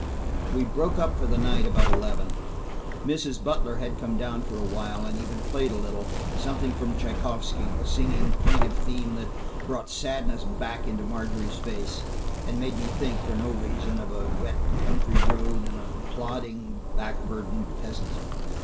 We broke up for the night about eleven. Mrs. Butler had come down for a while, and had even played a little, something of Tschaikovsky's, a singing, plaintive theme that brought sadness back into Margery's face, and made me think, for no reason, of a wet country road and a plodding, back burdened peasant.